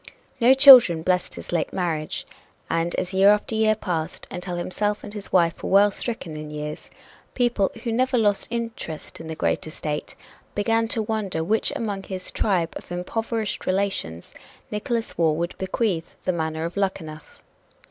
No children blessed his late marriage, and as year after year passed, until himself and his wife were well stricken in years, people, who never lost interest in the great estate, began to wonder to which among his tribe of impoverished relations Nickolas Waugh would bequeath the manor of Luckenough.